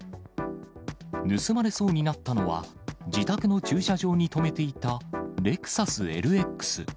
盗まれそうになったのは、自宅の駐車場に止めていたレクサスＬＸ。